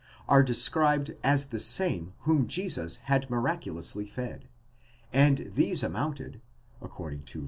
are described as the same whom Jesus had miraculously fed, and these amounted (according to v.